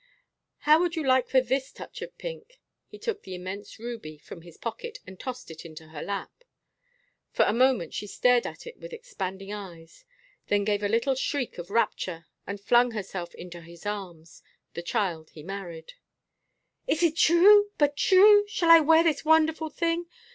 "How would you like this for the touch of pink!" He took the immense ruby from his pocket and tossed it into her lap. For a moment she stared at it with expanding eyes, then gave a little shriek of rapture and flung herself into his arms, the child he had married. "Is it true? But true? Shall I wear this wonderful thing?